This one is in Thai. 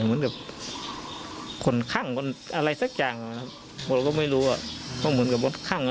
เหมือนกับคนขั้งคนอะไรสักอย่างผมก็ไม่รู้อ่ะเขาเหมือนกับคนขั้ง